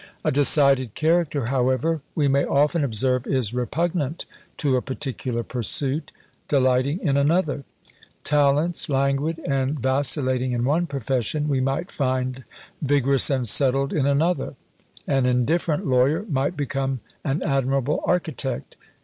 A decided character, however, we may often observe, is repugnant to a particular pursuit, delighting in another; talents, languid and vacillating in one profession, we might find vigorous and settled in another; an indifferent lawyer might become an admirable architect!